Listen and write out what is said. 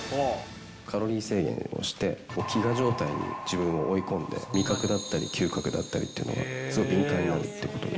カロリー制限をして、飢餓状態に自分を追い込んで、味覚だったり、嗅覚だったりっていうのがすごい敏感になるってことで。